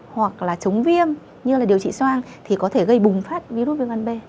hoặc là chống viêm như là điều trị soang thì có thể gây bùng phát virus viêm gan b